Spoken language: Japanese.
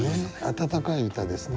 温かい歌ですね。